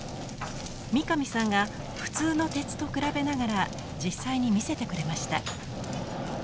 三上さんが普通の鉄と比べながら実際に見せてくれました。